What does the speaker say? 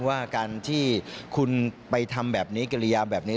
ว่าการที่คุณไปทำแบบนี้กิริยาแบบนี้